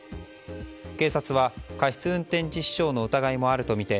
警察は過失運転致死傷の疑いもあるとみて